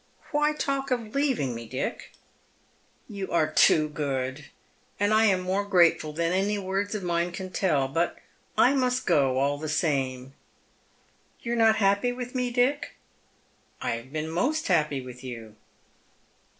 Why talk of leaving me, Dick ?"" You are too good ; and I am more grateful than any words of mine can tell. But I must go all the same." " You are not happy with me, Dick ?"" I have been most happy vdth you."